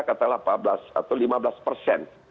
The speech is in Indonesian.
katanya delapan belas atau lima belas persen